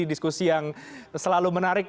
diskusi yang selalu menarik